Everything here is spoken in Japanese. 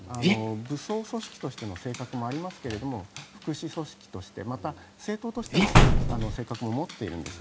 武装組織としての性格もありますけど福祉組織としてまた政党としての性格も持っているんです。